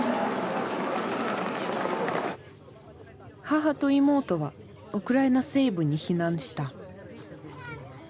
母と妹はウクライナ西部に避難した。